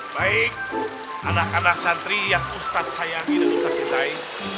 baik anak anak santri yang ustadz sayangi dan ustadz cintai